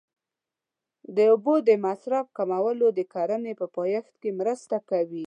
د اوبو د مصرف کمول د کرنې په پایښت کې مرسته کوي.